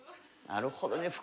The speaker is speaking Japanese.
なるほどね。